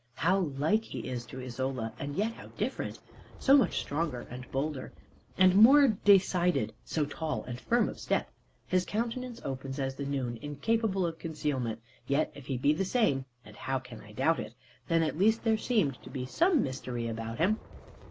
How like he is to Isola, and yet how different! So much stronger, and bolder, and more decided, so tall and firm of step. His countenance open as the noon, incapable of concealment; yet if he be the same (and, how can I doubt it?), then at least there seemed to be some mystery about him.